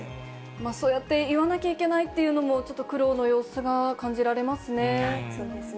そうやって言わなきゃいけないというのも、ちょっと苦労の様子が感じられますね。